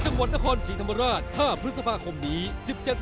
ถ้าบอกว่าคุณแหม่นสุริภาจะเสียใจ